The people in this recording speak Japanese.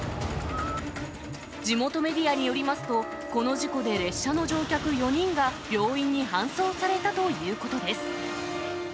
地元メディアによりますと、この事故で列車の乗客４人が病院に搬送されたということです。